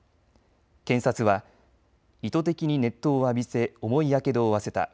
検察は意図的に熱湯を浴びせ重いやけどを負わせた。